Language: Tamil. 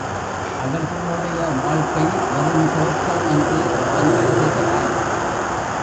அவர்களுடைய வாழ்க்கை வெறுந் தோற்றம் என்று அவன் கருதுகிறான்.